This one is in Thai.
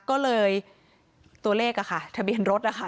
ก็เลยตัวเลขอะค่ะทะเบียนรถนะคะ